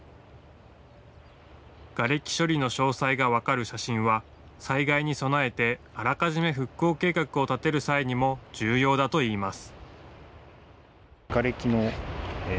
がれき処理の詳細が分かる写真は災害に備えてあらかじめ復興計画を立てる際にも重要だといいます。